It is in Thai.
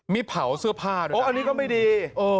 มีเผาเสื้อผ้าด้วยโอ้อันนี้ก็ไม่ดี